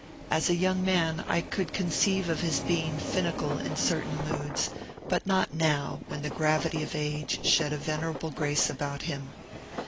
As a young man, I could conceive of his being finical in certain moods, but not now, when the gravity of age shed a venerable grace about him.